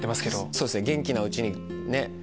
そうですね元気なうちに。